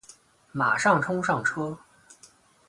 马上冲上车